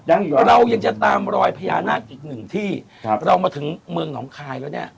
เรายังจะตามรอยพญานาคอีกหนึ่งที่ครับเรามาถึงเมืองหนองคายแล้วเนี้ย